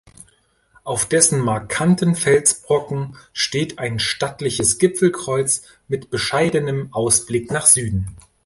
Auf dessen markanten Felsbrocken steht ein stattliches Gipfelkreuz mit bescheidenem Ausblick nach Süden.